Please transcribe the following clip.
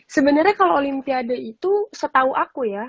sebenarnya kalau olimpiade itu setahu aku ya